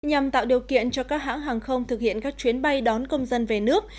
nhằm tạo điều kiện cho các hãng hàng không thực hiện các chuyến bay đón công dân về nước